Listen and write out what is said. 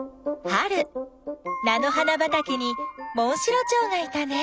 春なの花ばたけにモンシロチョウがいたね。